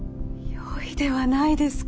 よいではないですか。